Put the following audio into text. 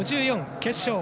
決勝